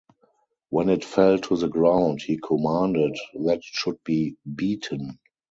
When it fell to the ground he commanded that it should be beaten.